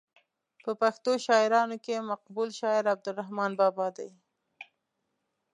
په پښتو شاعرانو کې مقبول شاعر عبدالرحمان بابا دی.